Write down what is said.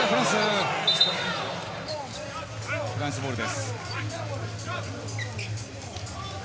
フランスボールです。